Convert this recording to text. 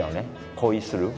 恋する。